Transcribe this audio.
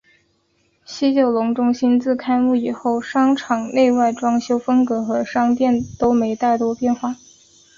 西九龙中心自开幕以后商场内外装修风格和商店都没太大的转变。